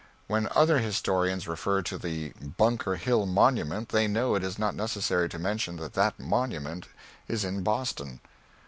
When other historians refer to the Bunker Hill Monument they know it is not necessary to mention that that monument is in Boston.